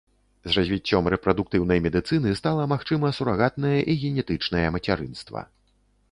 З развіццём рэпрадуктыўнай медыцыны стала магчыма сурагатнае і генетычнае мацярынства.